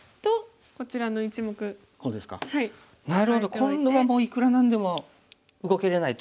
今度はもういくら何でも動けれないと。